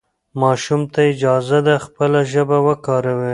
ماشوم ته اجازه ده خپله ژبه وکاروي.